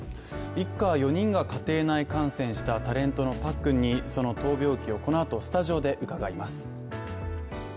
一家４人が家庭内感染したタレントのパックンにその闘病記をこのあとスタジオで伺います。